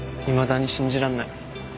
いまだに信じらんない。